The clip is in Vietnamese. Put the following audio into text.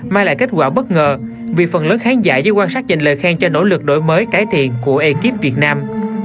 mang lại kết quả bất ngờ vì phần lớn khán giả dưới quan sát dành lời khen cho nỗ lực đổi mới cải thiện của ekip việt nam